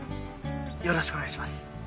よろしくお願いします。